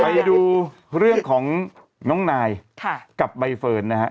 ไปดูเรื่องของน้องนายกับใบเฟิร์นนะฮะ